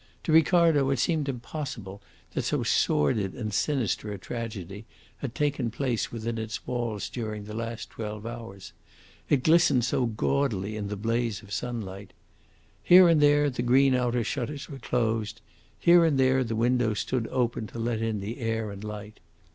To Ricardo it seemed impossible that so sordid and sinister a tragedy had taken place within its walls during the last twelve hours. It glistened so gaudily in the blaze of sunlight. Here and there the green outer shutters were closed; here and there the windows stood open to let in the air and light.